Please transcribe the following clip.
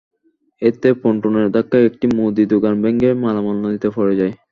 এতে পন্টুনের ধাক্কায় একটি মুদি দোকান ভেঙে মালামাল নদীতে পড়ে যায়।